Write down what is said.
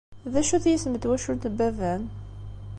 D acu-t yisem n twacult n baba-m?